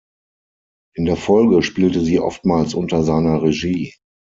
In der Folge spielte sie oftmals unter seiner Regie.